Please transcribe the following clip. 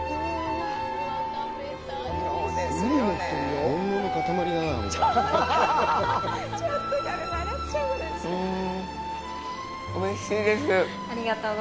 うん、おいしいです。